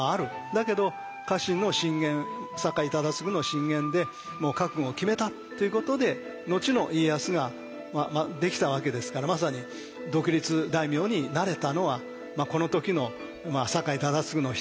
だけど家臣の進言酒井忠次の進言でもう覚悟を決めたっていうことで後の家康ができたわけですからまさに独立大名になれたのはこの時の酒井忠次のひと言は大きいですね。